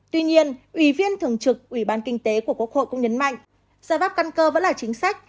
tuy nhiên ủy viên thường trực ủy ban kinh tế của quốc hội cũng nhấn mạnh giải pháp căn cơ vẫn là chính sách